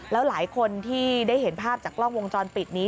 แล้วหลายคนที่ได้เห็นภาพจากกล้องวงจรปิดนี้